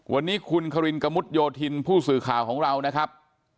วันนี้คุณครินกระมุดโยธินผู้สื่อข่าวของเรานะครับ